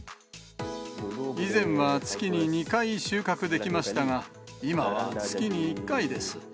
以前は月に２回収穫できましたが、今は月に１回です。